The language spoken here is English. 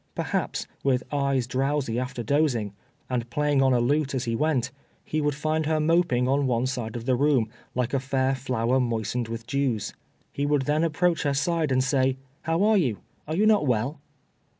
Perhaps, with eyes drowsy after dozing, and playing on a flute as he went, he would find her moping on one side of the room, like a fair flower moistened with dews. He would then approach her side, and say, "How are you? Are you not well?"